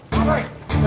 kau pake nge in